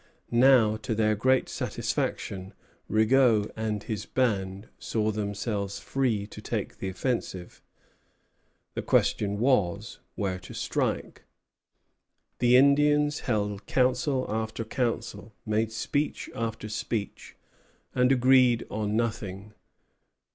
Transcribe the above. Now, to their great satisfaction, Rigaud and his band saw themselves free to take the offensive. The question was, where to strike. The Indians held council after council, made speech after speech, and agreed on nothing.